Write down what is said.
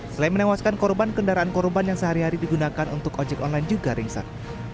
selain menewaskan korban kendaraan korban yang sehari hari digunakan untuk ojek online juga ringsek